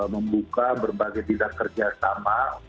membuka berbagai bidang kerja sama